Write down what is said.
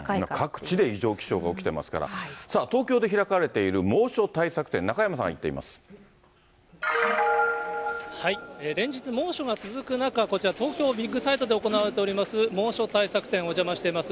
各地で異常気象が起きてますから、東京で開かれている猛暑対連日猛暑が続く中、こちら、東京ビッグサイトで行われております猛暑対策展、お邪魔しています。